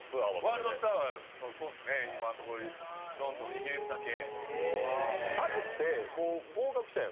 ワールドツアーは今のところ、ロンドン、イギリスだけ。